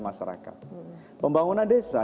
masyarakat pembangunan desa